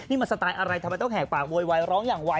นี่มันสไตล์อะไรทำไมต้องแหกปากโวยวายร้องอย่างไร